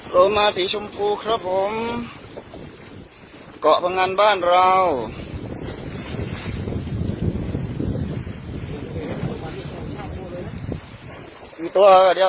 โลมาสีชมพูครับผมเกาะพังงันบ้านเรา